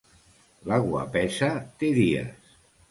La guapesa té dies.